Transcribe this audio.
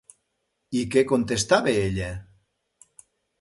I què contestava ella?